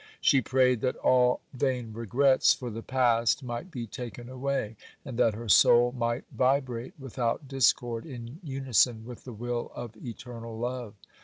She prayed that all vain regrets for the past might be taken away, and that her soul might vibrate without discord in unison with the will of Eternal Love.